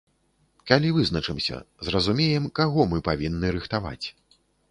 Калі вызначымся, зразумеем, каго мы павінны рыхтаваць.